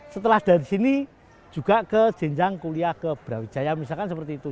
setelah dari sini juga ke jenjang kuliah ke brawijaya misalkan seperti itu